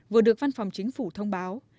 vừa được văn phòng chính phủ thông báo